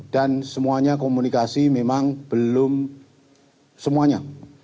dan semuanya komunikasi memang belum semuanya